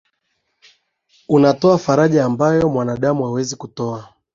Unatoa faraja ambayo mwanadamu hawezi toa.